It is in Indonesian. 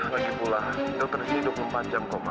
lagi pula dokter disini hidup empat jam kok ma